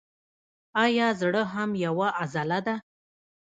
ایا زړه هم یوه عضله ده